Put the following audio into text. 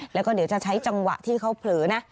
แล้วก็เดี๋ยวจะใช้จังหวะที่เขาเผลอนะ